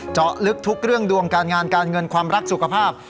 เจาะลึกทุกเรื่องดวงการงานการเงินความรักสุขภาพ